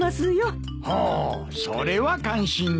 ほうそれは感心だ。